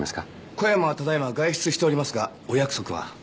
小山はただ今外出しておりますがお約束は？